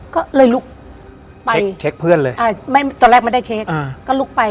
ก็เลยลุกไปเช็คเพื่อนเลยตอนแรกไม่ได้เช็คอ่าก็ลุกไป